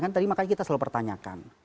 kan tadi makanya kita selalu pertanyakan